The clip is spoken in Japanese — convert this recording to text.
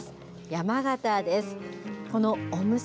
山形です。